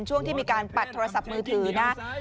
ช่วงที่มีการปัดโทรศัพท์มือถือนะ